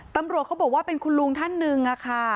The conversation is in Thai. ตำรวจเขาบอกว่าเป็นคุณลุงท่านหนึ่งค่ะ